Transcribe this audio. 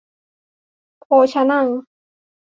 โภชะนัง